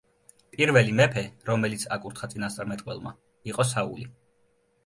პირველი მეფე, რომელიც აკურთხა წინასწარმეტყველმა, იყო საული.